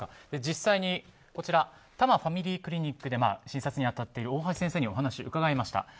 実際に多摩ファミリークリニックで診察に当たっている大橋先生にお話を伺いました。